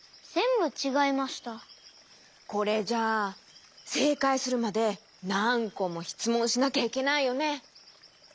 これじゃあせいかいするまでなんこもしつもんしなきゃいけないよね。